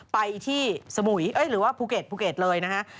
ไปที่ปุเกตเลยนะคะ